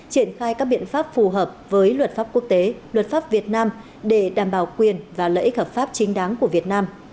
triển khai các biện pháp phù hợp với luật pháp quốc tế luật pháp việt nam để đảm bảo quyền và lợi ích hợp pháp chính đáng của việt nam